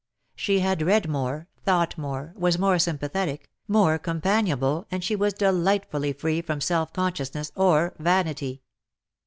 She had read more, thought more, was more sympathetic, more com panionable, and she was delightfully free from self consciousness or vanity.